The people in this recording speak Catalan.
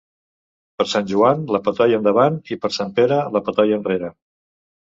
Per Sant Joan la patoia endavant i, per Sant Pere, la patoia enrere.